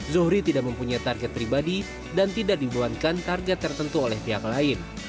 zohri tidak mempunyai target pribadi dan tidak dibuangkan target tertentu oleh pihak lain